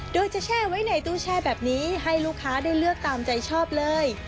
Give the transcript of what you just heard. โดยจะแช่ไว้ในตู้แช่แบบนี้ให้ลูกค้าได้เลือกตามใจชอบเลย